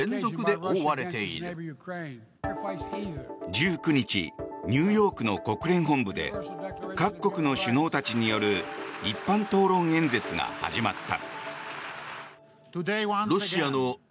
１９日ニューヨークの国連本部で各国の首脳たちによる一般討論演説が始まった。